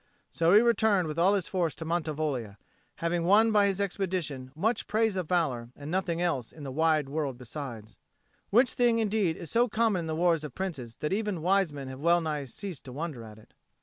So he returned with all his force to Mantivoglia, having won by his expedition much praise of valour, and nothing else in the wide world besides; which thing indeed is so common in the wars of princes that even wise men have well nigh ceased to wonder at it.